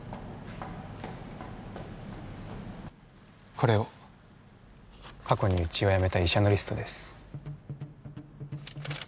これを過去にうちを辞めた医者のリストです